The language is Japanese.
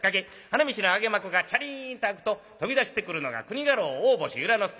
花道の揚幕がチャリーンと開くと飛び出してくるのが国家老大星由良之助。